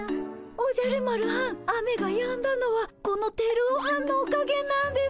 おじゃる丸はん雨がやんだのはこのテルオはんのおかげなんです。